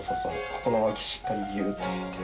ここの脇、しっかりぎゅーっと。